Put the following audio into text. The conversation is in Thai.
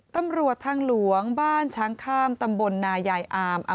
ตำรวจทางหลวงบ้านช้างข้ามตำบลนายายอาม